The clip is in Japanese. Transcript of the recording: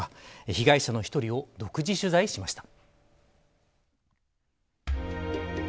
被害者の１人を独自取材しました。